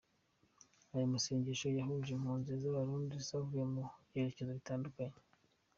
Aya masengesho yahuje impunzi z’Abarundi zavuye mu byerekezo bitandukanye.